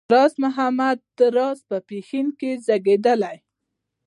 راز محمد راز په پښین کې زېږېدلی دی